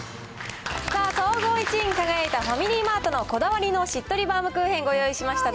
さあ、総合１位に輝いたファミリーマートのこだわりのしっとりバウムクーヘンご用意しました。